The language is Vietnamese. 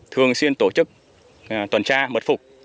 thường xuyên tổ chức toàn tra mật phục